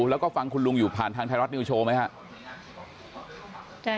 แล้วก็ฟังคุณลุงอยู่ผ่านทางไทยรัฐนิวโชว์ไหมครับ